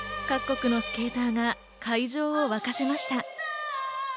各国のスケーターが会場を沸かせました。